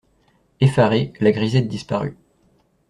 Effarée, la grisette disparut.